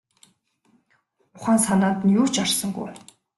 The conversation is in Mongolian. Ухаан санаанд нь юу ч орсонгүй.